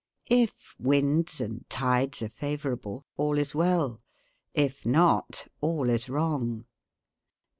If winds and tides are favorable, all is well; if not, all is wrong.